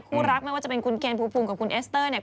รักไม่ว่าจะเป็นคุณเคนภูมิภูมิกับคุณเอสเตอร์เนี่ย